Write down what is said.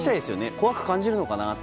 怖く感じるのかなと。